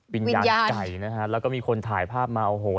วิญญาณไก่นะฮะแล้วก็มีคนถ่ายภาพมาโอ้โห